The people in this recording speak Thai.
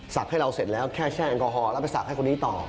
ให้เราเสร็จแล้วแค่แช่แอลกอฮอลแล้วไปสักให้คนนี้ต่อ